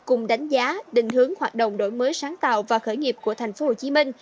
cùng đánh giá định hướng hoạt động đổi mới sáng tạo và khởi nghiệp của tp hcm